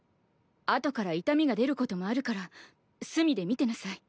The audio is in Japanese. あとから痛みが出ることもあるから隅で見てなさい。